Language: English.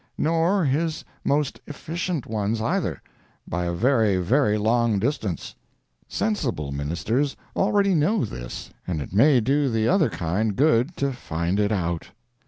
nor His most efficient ones either, by a very, very long distance!" Sensible ministers already know this, and it may do the other kind good to find it out.